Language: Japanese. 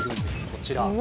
こちら。